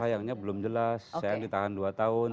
sayangnya belum jelas saya ditahan dua tahun